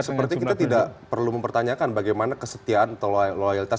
seperti kita tidak perlu mempertanyakan bagaimana kesetiaan atau loyalitas